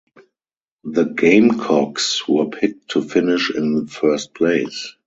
The Gamecocks were picked to finish in first place.